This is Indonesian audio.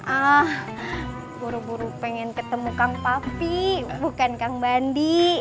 ah buru buru pengen ketemu kang pavi bukan kang bandi